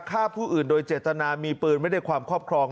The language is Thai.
ฆ่าผู้อื่นโดยเจตนามีปืนไม่ได้ความครอบครอง